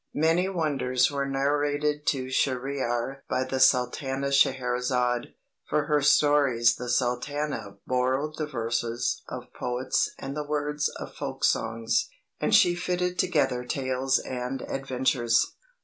"Many wonders were narrated to Schahriar by the Sultana Scheherazade. For her stories the Sultana borrowed the verses of poets and the words of folk songs, and she fitted together tales and adventures.